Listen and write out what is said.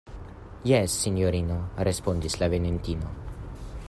Jes, sinjorino, respondis la venintino.